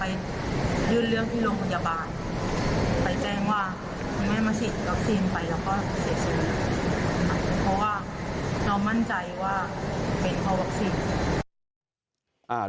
เพราะว่าเรามั่นใจว่าเป็นเพราะวัคซีน